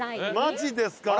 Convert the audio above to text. マジですか？